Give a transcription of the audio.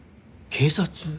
警察？